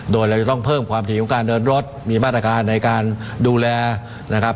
โดยเราจะต้องเพิ่มความถี่ของการเดินรถมีมาตรการในการดูแลนะครับ